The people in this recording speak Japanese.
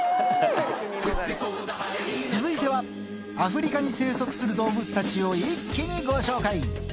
続いてはアフリカに生息する動物たちを一気にご紹介。